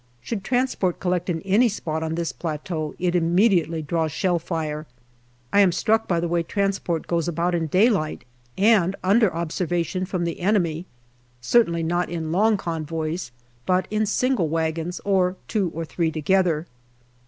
Should transport collect in any spot on this plateau it immediately draws shell fire. I am struck by the way transport goes about in daylight and under observation from the enemy, certainly not in long convoys, but in single wagons or two or three together.